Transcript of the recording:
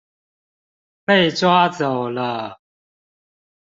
被抓走了